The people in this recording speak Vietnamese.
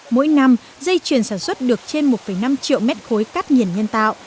mỗi năm dây chuyền sản xuất được trên một năm triệu mét khối cát nghiền nhân tạo